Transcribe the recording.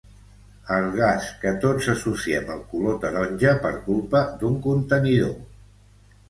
El gas que tots associem al color taronja per culpa d'un contenidor.